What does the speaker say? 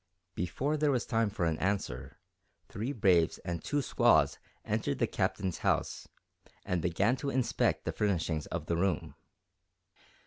Before there was time for an answer, three braves and two squaws entered the Captain's house and began to inspect the furnishings of the room.